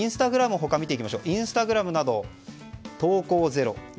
インスタグラムなど投稿ゼロ。